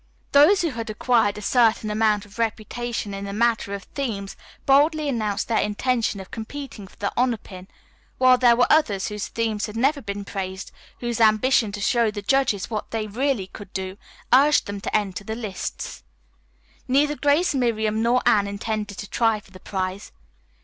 Those who had acquired a certain amount of reputation in the matter of themes boldly announced their intention of competing for the honor pin, while there were others whose themes had never been praised, whose ambition to show the judges what they really could do urged them on to enter the lists. Neither Grace, Miriam nor Anne intended to try for the prize.